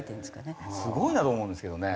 すごいなと思うんですけどね。